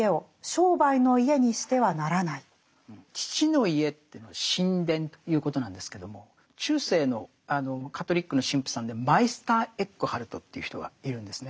「父の家」っていうのは神殿ということなんですけども中世のカトリックの神父さんでマイスター・エックハルトという人がいるんですね。